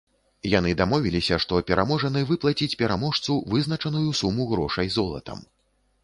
Яны дамовіліся, што пераможаны выплаціць пераможцу вызначаную суму грошай золатам.